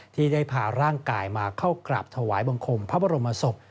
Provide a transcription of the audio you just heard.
ที่ได้พาร่างกายมาเข้ากราบถวายบังคมพระบรมศพ